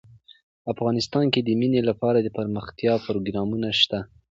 افغانستان کې د منی لپاره دپرمختیا پروګرامونه شته.